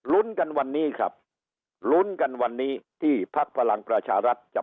ลุ้นกันวันนี้ครับลุ้นกันวันนี้ที่พักพลังประชารัฐจะ